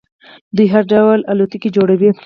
دوی هر ډول الوتکې جوړوي.